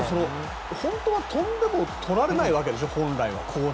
本当は飛んでも取られないわけでしょ。